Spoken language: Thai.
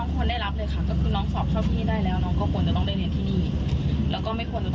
การหนุนเลี่ยงบารีวลีบางอย่างอะไรอย่างนี้ครับ